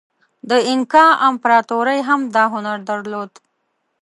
د اینکا امپراتورۍ هم دا هنر درلود.